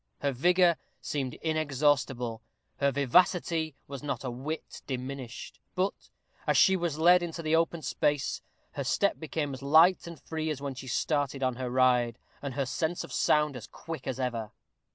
Her vigor seemed inexhaustible, her vivacity was not a whit diminished, but, as she was led into the open space, her step became as light and free as when she started on her ride, and her sense of sound as quick as ever.